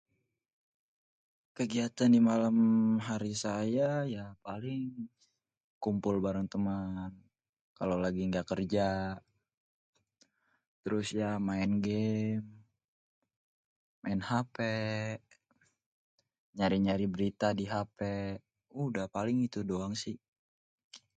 kegiatan di malam hari saya ya paling kumpul baréng témén kalo lagi gak kérja, terus ya maén gamé, maen hp, nyari-nyari berita di hp. udah paling itu doang si